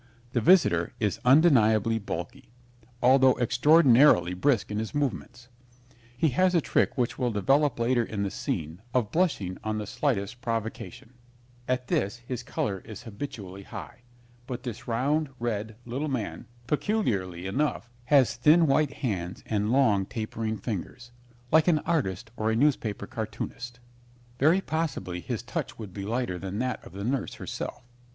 The visitor is undeniably bulky, although extraordinarily brisk in his movements. He has a trick which will develop later in the scene of blushing on the slightest provocation. At that his color is habitually high. But this round, red, little man, peculiarly enough, has thin white hands and long tapering fingers, like an artist or a newspaper cartoonist. Very possibly his touch would be lighter than that of the nurse herself.